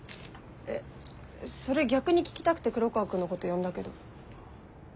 えそれ逆に聞きたくて黒川くんのこと呼んだけど。